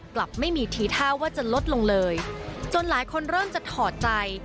กลับไม่มีทีท่าว่าจะลดลงเลยจนหลายคนเริ่มจะถอดใจ